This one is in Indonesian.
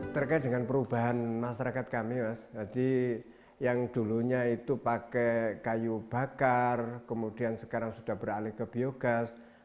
terkait dengan perubahan masyarakat kami mas jadi yang dulunya itu pakai kayu bakar kemudian sekarang sudah beralih ke biogas